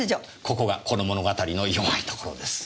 ここがこの物語の弱いところです。